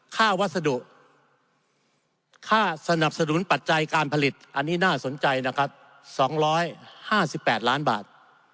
วัสดุค่าสนับสนุนปัจจัยการผลิตอันนี้น่าสนใจนะครับ๒๕๘ล้านบาท